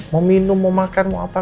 mau minum mau makan mau apa